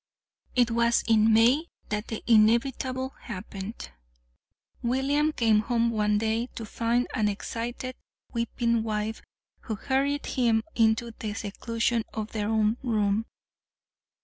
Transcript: It was in May that the inevitable happened. William came home one day to find an excited, weeping wife who hurried him into the seclusion of their own room.